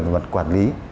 về mặt quản lý